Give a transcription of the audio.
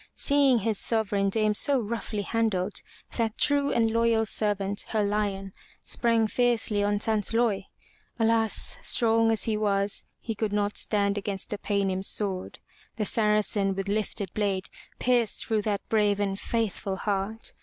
Seeing his sovereign dame so roughly handled, that true and loyal servant, her lion, sprang fiercely on Sansloy. Alas! strong as he was, he could not stand against the Paynim's sword. The Saracen with lifted blade pierced through that brave and faithful heart.